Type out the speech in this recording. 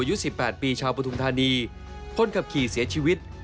อายุ๑๘ปีชาวปฐุมธานีคนขับขี่เสียชีวิต